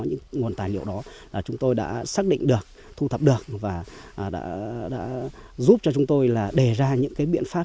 những nguồn tài liệu đó là chúng tôi đã xác định được thu thập được và đã giúp cho chúng tôi đề ra những biện pháp